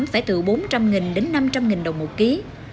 phải từ bốn trăm linh đến năm trăm linh đồng một ký